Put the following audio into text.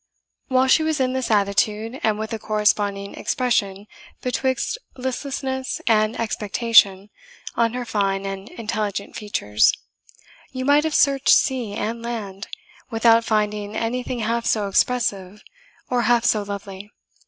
While she was in this attitude, and with a corresponding expression betwixt listlessness and expectation on her fine and intelligent features, you might have searched sea and land without finding anything half so expressive or half so lovely.